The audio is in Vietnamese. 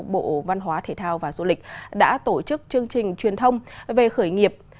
bộ văn hóa thể thao và du lịch đã tổ chức chương trình truyền thông về khởi nghiệp